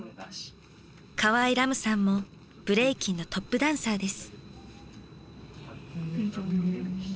河合来夢さんもブレイキンのトップダンサーです。